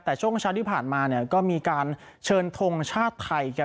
แต่ช่วงเช้าที่ผ่านมาเนี่ยก็มีการเชิญทงชาติไทยกัน